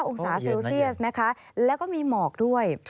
องศาเซลเซียสนะคะแล้วก็มีหมอกด้วย